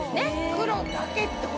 黒だけってこと。